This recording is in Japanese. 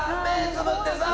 つぶってさ